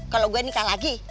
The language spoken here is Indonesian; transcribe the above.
kalau gue nikah lagi